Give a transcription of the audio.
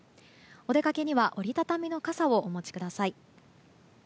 お出かけには折り畳みの傘をお持ちください。